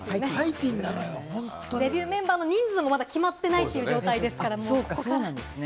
デビューメンバーの人数もまだ決まっていないという状態ですからね。